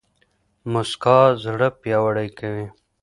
موسکا زړه پياوړی کوي